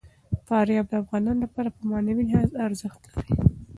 فاریاب د افغانانو لپاره په معنوي لحاظ ارزښت لري.